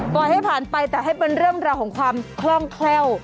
ปล่อยให้ผ่านไปแต่ให้เป็นเรื่องราวของความคล่องแคล่ว